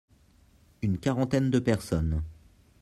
Une quarantaine de personnes.